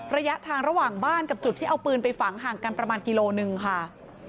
ระยะทางระหว่างบ้านกับจุดที่เอาปืนไปฝังห่างกันประมาณกิโลหนึ่งค่ะ